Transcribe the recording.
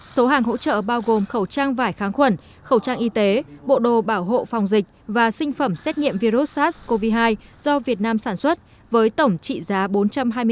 số hàng hỗ trợ bao gồm khẩu trang vải kháng khuẩn khẩu trang y tế bộ đồ bảo hộ phòng dịch và sinh phẩm xét nghiệm virus sars cov hai do việt nam sản xuất với tổng trị giá bốn trăm hai mươi triệu đồng